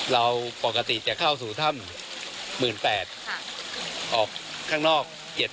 เราปกติจะเข้าสู่ถ้ำ๑๘๐๐ออกข้างนอก